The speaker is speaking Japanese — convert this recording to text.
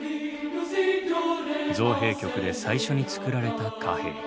造幣局で最初に造られた貨幣。